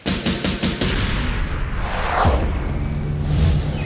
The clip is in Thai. สุดท้าย